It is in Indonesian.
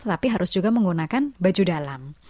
tapi harus juga menggunakan baju dalam